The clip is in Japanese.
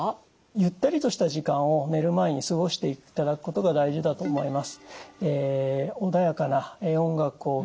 ゆったりとした時間を寝る前に過ごしていただくことが大事だと思います。